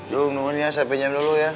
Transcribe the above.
dung nuhun ya saya pinjam dulu ya